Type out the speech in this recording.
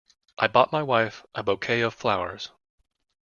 I bought my wife a Bouquet of flowers.